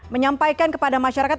menyampaikan kepada masyarakat